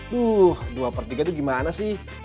duh dua per tiga itu gimana sih